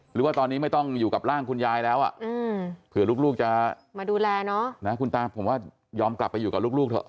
หรือว่าตอนนี้ไม่ต้องอยู่กับร่างคุณยายแล้วอ่ะเผื่อลูกจะมาดูแลเนอะนะคุณตาผมว่ายอมกลับไปอยู่กับลูกเถอะ